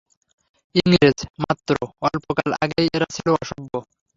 ইংরেজ! মাত্র অল্পকাল আগেও এরা ছিল অসভ্য।